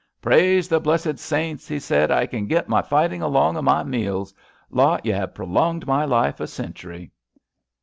* Praise the blessed saints/ he said, ' I kin get my fighting along o^ my meals. Lot, ye have prolonged my life a century.'